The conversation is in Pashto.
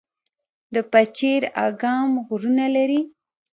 د پچیر اګام غرونه لري